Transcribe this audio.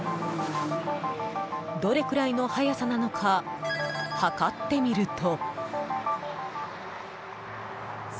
どれくらいの速さなのか測ってみると。